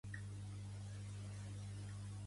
Vull canviar llenguatge amazic a català.